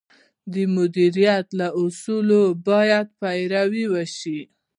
د مدیریت له اصولو باید پیروي وشي.